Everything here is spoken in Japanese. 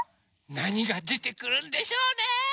なにがでてくるんでしょうね？